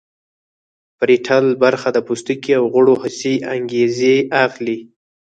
پریټل برخه د پوستکي او غړو حسي انګیزې اخلي